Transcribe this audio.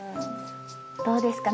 どうですか？